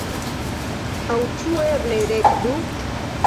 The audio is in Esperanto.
Aŭ ĉu eble dekdu?